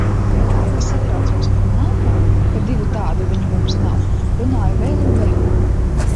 Ka satraucos par mammu, ka divu tādu viņu mums nav. Runāju vēl un vēl.